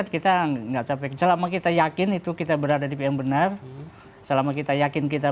kita enggak capek selama kita yakin itu kita berada di yang benar selama kita yakin kita